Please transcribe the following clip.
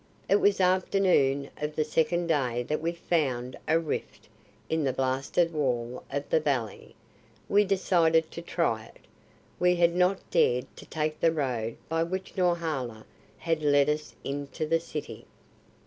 It was afternoon of the second day that we found a rift in the blasted wall of the valley. We decided to try it. We had not dared to take the road by which Norhala had led us into the City.